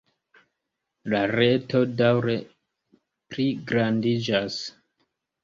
La reto daŭre pligrandiĝas.